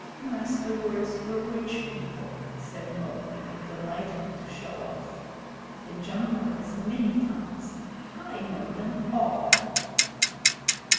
"Master Words for which people?" said Mowgli, delighted to show off. "The jungle has many tongues. I know them all."